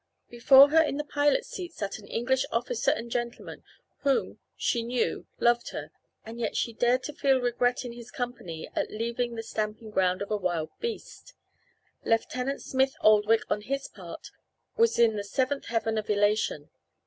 Before her in the pilot's seat sat an English officer and gentleman whom, she knew, loved her, and yet she dared to feel regret in his company at leaving the stamping ground of a wild beast! Lieutenant Smith Oldwick, on his part, was in the seventh heaven of elation.